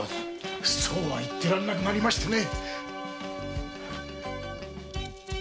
そうは言ってられなくなりましてね！